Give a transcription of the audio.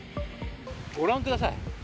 ご覧ください